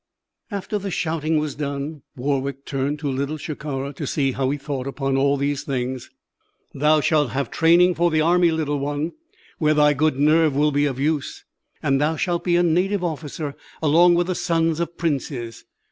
After the shouting was done, Warwick turned to Little Shikara to see how he thought upon all these things. "Thou shalt have training for the army, little one, where thy good nerve will be of use, and thou shalt be a native officer, along with the sons of princes.